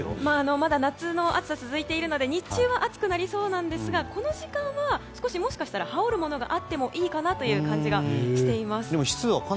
まだ夏の暑さが続いているので日中は暑くなりそうですがこの時間はもしかしたら羽織るものがあってもいいかなという感じがしています。